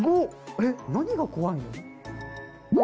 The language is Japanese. え何が怖いの？